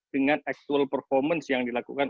dengan actual performance yang dilakukan